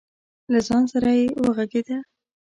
له ځان سره یې وغږېده.